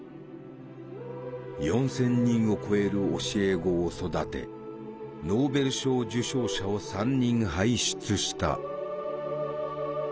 ４，０００人を超える教え子を育てノーベル賞受賞者を３人輩出した。